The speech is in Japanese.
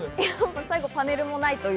最後パネルもないという。